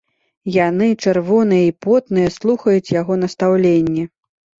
Яны, чырвоныя і потныя, слухаюць яго настаўленні.